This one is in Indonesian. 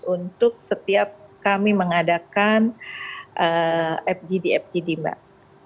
untuk setiap kami mengadakan fgd fgd mbak